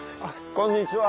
こんにちは。